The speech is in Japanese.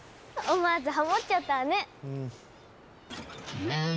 思わずハモっちゃったわね！